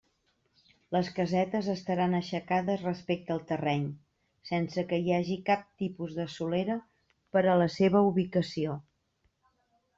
Les casetes estaran aixecades respecte al terreny, sense que hi hagi cap tipus de solera per a la seva ubicació.